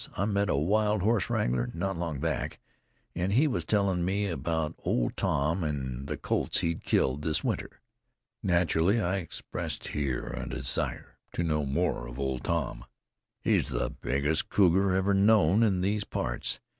I met a wild horse wrangler not long back, an' he was tellin' me about Old Tom an' the colts he'd killed this winter." Naturally, I here expressed a desire to know more of Old Tom. "He's the biggest cougar ever known of in these parts.